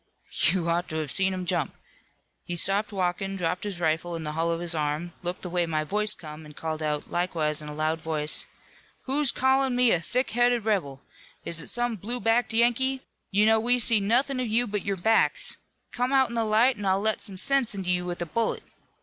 "You ought to have seen him jump. He stopped walkin', dropped his rifle in the hollow of his arm, looked the way my voice come and called out, likewise in a loud voice: 'Who's callin' me a thick headed rebel? Is it some blue backed Yankee? You know we see nothin' of you but your backs. Come out in the light, an' I'll let some sense into you with a bullet.'